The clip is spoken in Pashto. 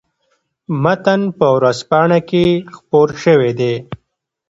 متن په ورځپاڼه کې خپور شوی دی.